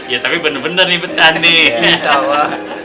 ya tapi benar benar betah nih